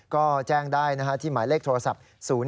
ก็แจ้งได้ที่หมายเลขโทรศัพท์๐๔